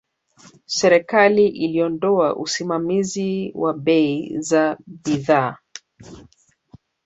Serikali iliondoa usimamizi wa bei za bidhaa